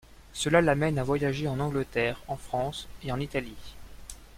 Cela l'amène à voyager en Angleterre, en France et en Italie.